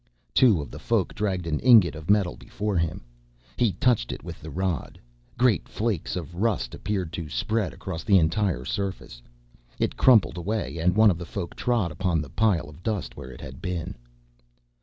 Two of the Folk dragged an ingot of metal before him. He touched it with the rod. Great flakes of rust appeared to spread across the entire surface. It crumpled away and one of the Folk trod upon the pile of dust where it had been.